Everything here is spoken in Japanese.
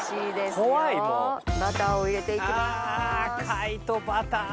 貝とバター！